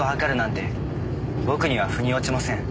僕には腑に落ちません。